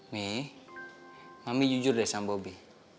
mi mami jujur deh sama bobi